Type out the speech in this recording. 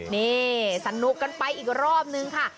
นี่สนุกกันไปอีกรอบนึงค่ะ